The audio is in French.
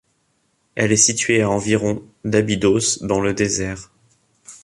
Elle est située à environ d'Abydos, dans le désert.